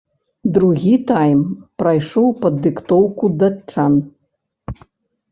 Другі тайм прайшоў пад дыктоўку датчан.